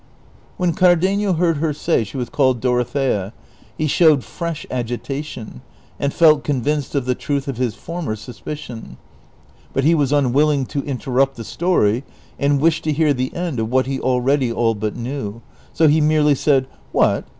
When Cardenio heard, her vSay she was called Dorothea, he showed fresh agitation and felt convinced of the truth of his former suspicion, but he was unwilling to interrupt the story, and wished to hear the end of what he already all but knew, so he merely said, '< What